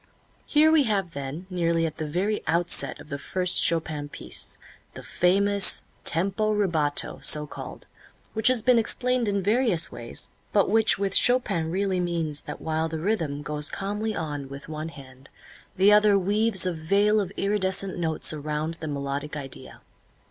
Here we have then, nearly at the very outset of the first Chopin piece, the famous tempo rubato, so called, which has been explained in various ways, but which with Chopin really means that while the rhythm goes calmly on with one hand, the other weaves a veil of iridescent notes around the melodic idea.